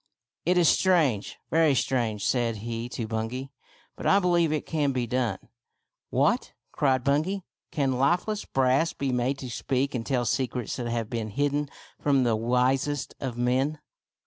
" It is strange, very strange," said he to Bungay, " but I believe it can be done." " What !" cried Bungay, " can lifeless brass be made to speak and tell secrets that have been hidden from the wisest of men